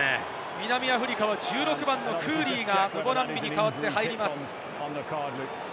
南アフリカは１６番のフーリーがムボナンビに代わって入ります。